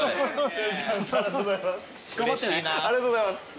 ありがとうございます。